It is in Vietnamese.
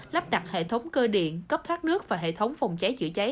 lắp đặt hệ thống cơ điện cấp thoát nước và hệ thống phòng cháy chữa cháy